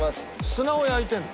砂を焼いてるんだ。